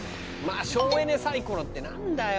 省エネ・サイコロってなんだよ